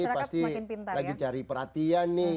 pasti lagi cari perhatian nih